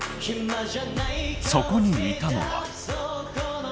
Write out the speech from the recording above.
そこにいたのは。